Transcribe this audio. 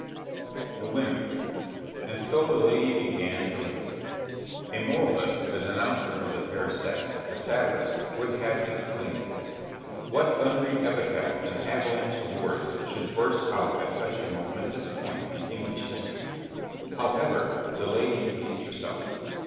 THE WOMEN [Illustration: {A woman of the time of William II.}] And so the lady began to lace.... A moralist, a denouncer of the fair sex, a satirist, would have his fling at this. What thundering epithets and avalanche of words should burst out at such a momentous point in English history! However, the lady pleased herself.